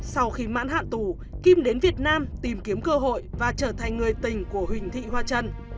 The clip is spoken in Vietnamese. sau khi mãn hạn tù kim đến việt nam tìm kiếm cơ hội và trở thành người tình của huỳnh thị hoa trân